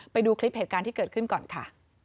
ไปดูคลิปเหตุการณ์ที่เกิดขึ้นก่อนค่ะ